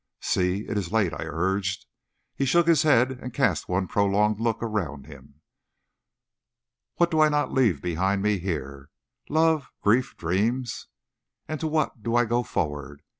"See! it is late," I urged. He shook his head and cast one prolonged look around him. "What do I not leave behind me here? Love, grief, dreams. And to what do I go forward?